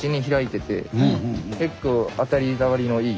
結構当たり障りのいい。